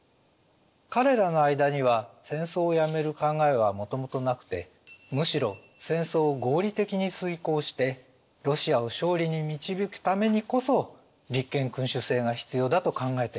彼らの間には戦争をやめる考えはもともとなくてむしろ戦争を合理的に遂行してロシアを勝利に導くためにこそ立憲君主政が必要だと考えてました。